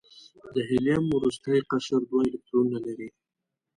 د هیلیم وروستی قشر دوه الکترونونه لري.